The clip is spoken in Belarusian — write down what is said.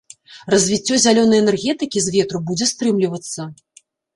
Развіццё зялёнай энергетыкі з ветру будзе стрымлівацца.